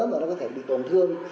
và nó có thể bị tổn thương